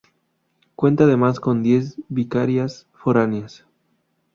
Cuenta además, con diez vicarías foráneas.